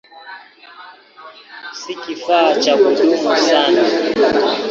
Si kifaa cha kudumu sana.